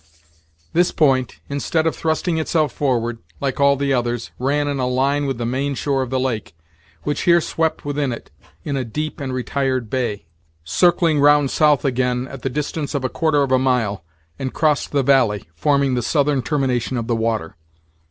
This point, instead of thrusting itself forward, like all the others, ran in a line with the main shore of the lake, which here swept within it, in a deep and retired bay, circling round south again, at the distance of a quarter of a mile, and crossed the valley, forming the southern termination of the water.